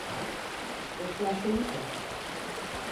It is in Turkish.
Boş versenize.